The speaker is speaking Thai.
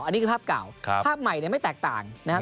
อันนี้คือภาพเก่าภาพใหม่ไม่แตกต่างนะครับ